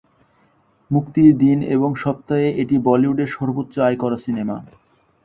মুক্তির দিন এবং সপ্তাহে এটি বলিউডের সর্বোচ্চ আয় করা সিনেমা।